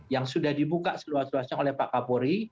yang sudah dibuka seluas luasnya oleh pak kapolri